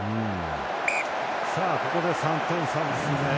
ここで、３点差ですね。